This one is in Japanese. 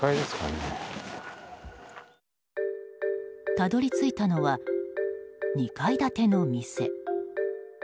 たどり着いたのは２階建ての店。